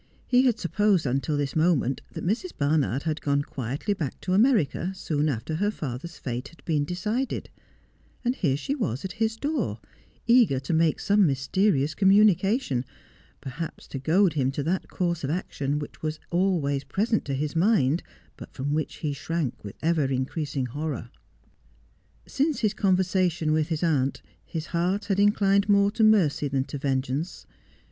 He had sup posed until this moment that Mrs. Barnard had gone quietly back to America soon after her father's fate had been decided ; and here she was at his door, eager to make some mysterious com munication, perhaps to goad him to that course of action which Tinker Breaks his Tryst. 253 was always present to his mind, but from which he shrank ■with ever increasing horror. Since his conversation with his aunt, his heart had inclined more to mercy than to vengeance.